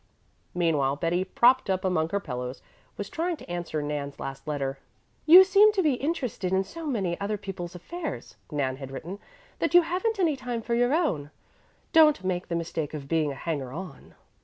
Meanwhile Betty, propped up among her pillows, was trying to answer Nan's last letter. "You seem to be interested in so many other people's affairs," Nan had written, "that you haven't any time for your own. Don't make the mistake of being a hanger on."